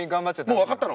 もう分かったの。